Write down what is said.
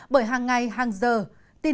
bởi hàng ngày hàng giờ tin giả giống như thuyền